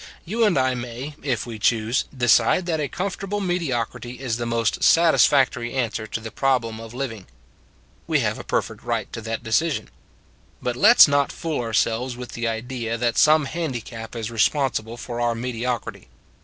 You and I may, if we choose, decide that a comfortable mediocrity is the most satis factory answer to the problem of living. We have a perfect right to that decision. But let s not fool ourselves with the idea that some handicap is responsible for our mediocrity.